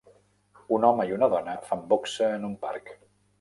Un home i una dona fan boxa en un parc.